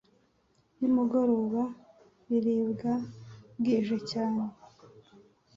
nimugoroba biribwa bwije cyane,